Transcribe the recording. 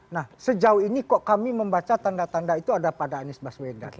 nah sejauh ini kok kami membaca tanda tanda itu ada pada anies baswedan